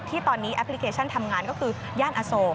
ที่ตอนนี้แอปพลิเคชันทำงานก็คือย่านอโศ